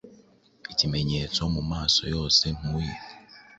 Ikimenyetso mumaso yose mpuye,